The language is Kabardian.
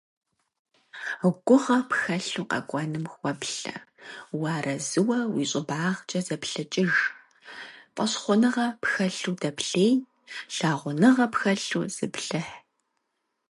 Гугъэ пхэлъу къэкӏуэнум хуэплъэ, уарэзыуэ уи щӏыбагъкӏэ зэплъэкӏыж, фӏэщхъуныгъэ пхэлъу дэплъей, лъагъуныгъэ пхэлъу зыплъыхь.